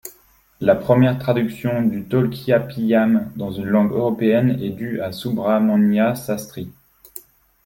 La première traduction du Tolkāppiyam dans une langue européenne est due à Subrahmanya Sastri.